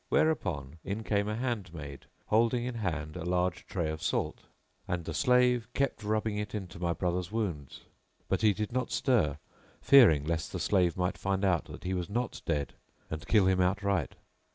"[FN#674] Where upon in came a handmaid holding in hand a large tray of salt, and the slave kept rubbing it into my brother's wounds;[FN#675] but he did not stir fearing lest the slave might find out that he was not dead and kill him outright.